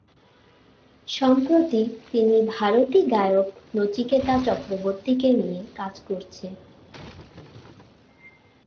সম্প্রতি তিনি ভারতী গায়ক নচিকেতা চক্রবর্তী কে নিয়ে কাজ করছে।